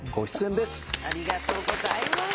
ありがとうございます。